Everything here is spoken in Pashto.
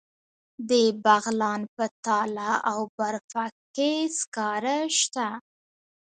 د بغلان په تاله او برفک کې سکاره شته.